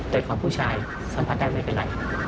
โดยความผู้ชายสัมผัสได้ไม่เป็นไร